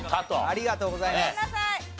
ありがとうございます。